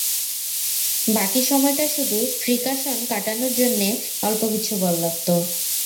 বাকি সময়টা শুধু ফ্রিকাশন কাটানোর জন্যে অল্প কিছু বল লাগত।